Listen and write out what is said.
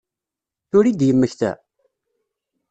Tura i d-yemmekta?